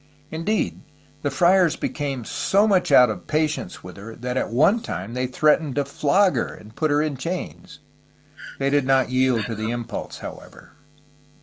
Indeed, the friars be came so much out of patience with her that at one time they threatened to flog her and put her in chains. They did not yield to the impulse, however.